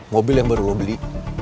mobil yang baru lo beli